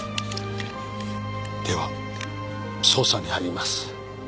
では捜査に入ります。